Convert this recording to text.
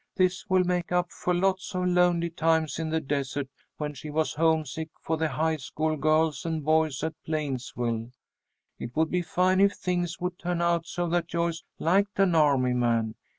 "This will make up for lots of lonely times in the desert, when she was homesick for the high school girls and boys at Plainsville. It would be fine if things would turn out so that Joyce liked an army man.